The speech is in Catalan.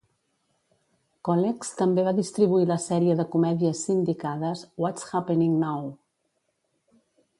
Colex també va distribuir la sèrie de comèdies sindicades "What's Happening Now!!"